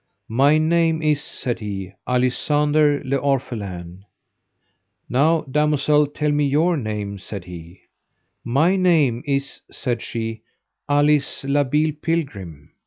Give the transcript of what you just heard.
My name is, said he, Alisander le Orphelin. Now, damosel, tell me your name, said he. My name is, said she, Alice la Beale Pilgrim.